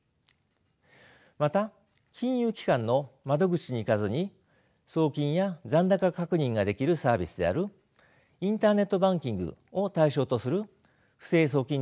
また金融機関の窓口に行かずに送金や残高確認ができるサービスであるインターネットバンキングを対象とする不正送金事犯が多発しています。